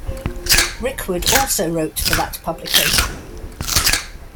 Rickword also wrote for that publication.